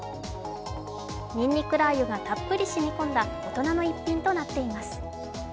にんにくラー油がたっぷり染み込んだ大人の一品となっています。